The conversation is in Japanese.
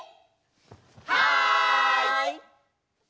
はい！